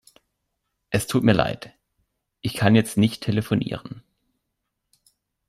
Es tut mir leid. Ich kann jetzt nicht telefonieren.